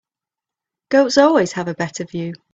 Goats always have a better view.